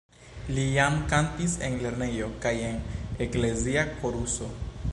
Li jam kantis en lernejo kaj en eklezia koruso.